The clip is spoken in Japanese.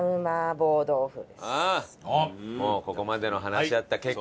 もうここまでの話し合った結果。